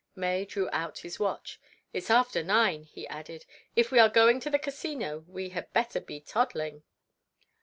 May drew out his watch. "It's after nine," he added, "if we are going to the Casino we had better be t toddling."